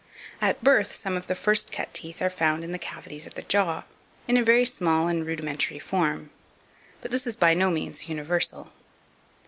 At birth some of the first cut teeth are found in the cavities of the jaw, in a very small and rudimentary form; but this is by no means universal.